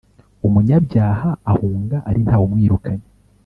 umunyabyaha ahunga ari nta wumwirukanye